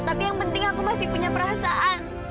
tapi yang penting aku masih punya perasaan